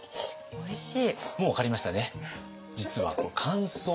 おいしい！